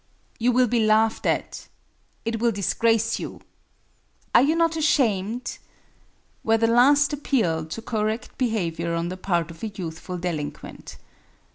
"You will be laughed at," "It will disgrace you," "Are you not ashamed?" were the last appeal to correct behavior on the part of a youthful delinquent.